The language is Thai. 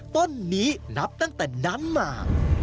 ต้นนี้นับตั้งแต่นั้นมา